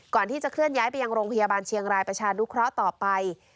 ก่อนที่จะเคลื่อนย้ายไปยังโรงพยาบาลเชียงรายประชานุเคราะห์ต่อไป